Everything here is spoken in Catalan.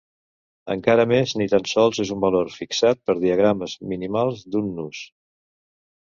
Encara més, ni tan sols és un valor fixat per diagrames minimals d'un nus.